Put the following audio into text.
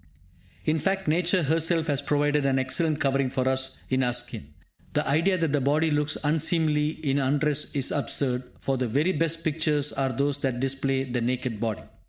In fact, Nature herself has provided an excellent covering for us in our skin. The idea that the body looks unseemly in undress is absurd, for the very best pictures are those that display the naked body.